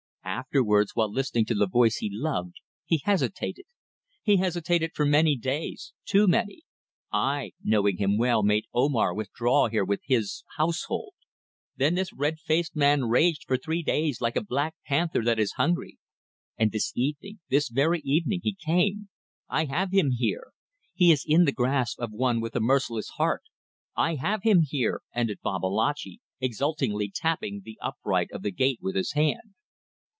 Afterwards, when listening to the voice he loved, he hesitated. He hesitated for many days too many. I, knowing him well, made Omar withdraw here with his ... household. Then this red faced man raged for three days like a black panther that is hungry. And this evening, this very evening, he came. I have him here. He is in the grasp of one with a merciless heart. I have him here," ended Babalatchi, exultingly tapping the upright of the gate with his hand.